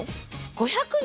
５００人？